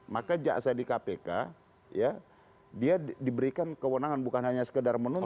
maka jaksa di kpk dia diberikan kewenangan bukan hanya sekedar menuntut